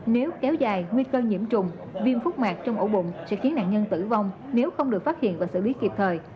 nếu kéo dài nguy cơ nhiễm trùng viêm phúc mạc trong ổ bụng sẽ khiến nạn nhân tử vong nếu không được phát hiện và xử lý kịp thời